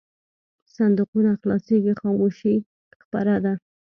صندوقونه خلاصېږي خاموشي خپره ده.